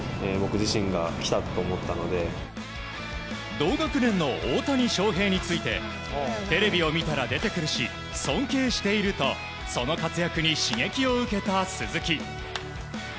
同学年の大谷翔平についてテレビを見たら出てくるし尊敬しているとその活躍に刺激を受けた鈴木。